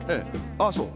ああそう。